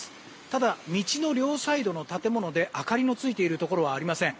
ただ、道の両サイドの建物で明かりのついているところはありません。